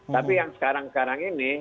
tapi yang sekarang sekarang ini